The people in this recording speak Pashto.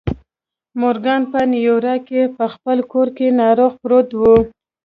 مورګان په نیویارک کې په خپل کور کې ناروغ پروت و